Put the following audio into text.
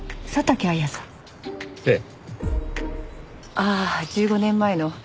ああ１５年前の。